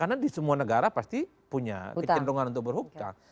karena di semua negara pasti punya kecenderungan untuk berhutang